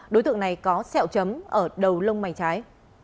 đối tượng này có xẹo chấm ở đầu lông mảnh trái